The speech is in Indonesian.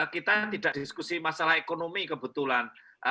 kita tidak diskusi masalah ekonomi kebetulan